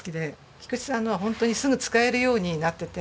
菊池さんのはホントにすぐ使えるようになってて。